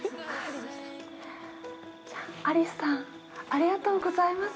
じゃあ、アリスさん、ありがとうございます。